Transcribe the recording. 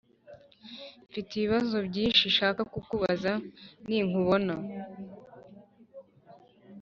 mfite ibibazo byishi shaka kukubaza ni nkubona